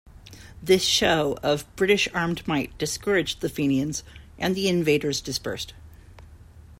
This show of British armed might discouraged the Fenians, and the invaders dispersed.